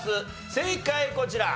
正解こちら。